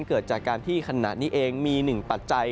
เกิดจากการที่ขณะนี้เองมี๑ปัจจัย